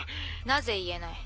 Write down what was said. なぜ言えない？